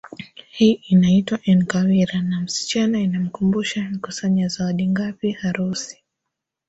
Hii inaitwa enkawira na msichana inamkumbusha amekusanya zawadi ngapi harusi